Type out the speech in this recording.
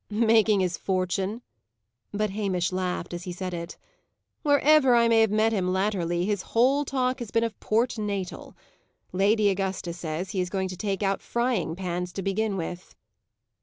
"Making his fortune." But Hamish laughed as he said it. "Wherever I may have met him latterly, his whole talk has been of Port Natal. Lady Augusta says he is going to take out frying pans to begin with."